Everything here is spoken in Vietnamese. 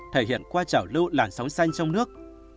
thể hiện qua trảo lưu làn sóng xanh trong nước